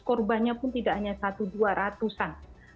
korbannya pun tidak hanya satu dua ratusan